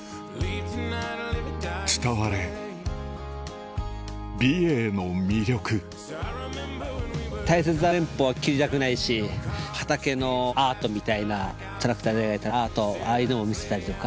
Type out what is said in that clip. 伝われ美瑛の魅力大切な連峰は切りたくないし畑のアートみたいなトラクターで描いたアートああいうのも見せたりとか。